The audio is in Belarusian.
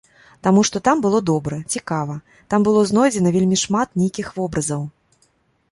Таму што там было добра, цікава, там было знойдзена вельмі шмат нейкіх вобразаў.